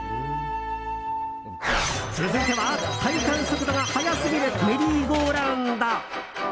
続いては体感速度が速すぎるメリーゴーラウンド。